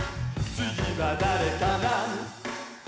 「つぎはだれかな？」